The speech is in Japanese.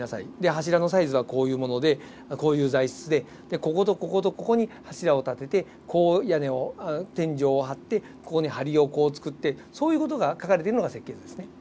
柱のサイズはこういうものでこういう材質でこことこことここに柱を立ててこう天井を張ってここにはりをこう作ってそういう事が描かれているのが設計図ですね。